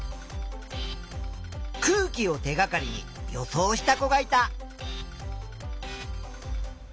空気を手がかりに予想した子がいた。